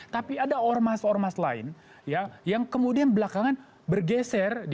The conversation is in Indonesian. tapi ada ormas ormas lain yang kemudian belakangan bergeser